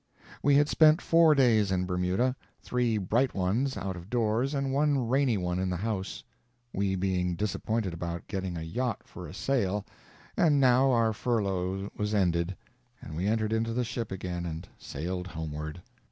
We had spent four days in Bermuda three bright ones out of doors and one rainy one in the house, we being disappointed about getting a yacht for a sail; and now our furlough was ended, and we entered into the ship again and sailed homeward.